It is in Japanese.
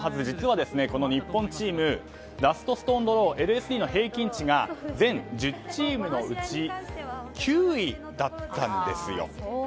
実は日本チームラストストーンドローＬＳＤの平均値が全１０チームのうち９位だったんです。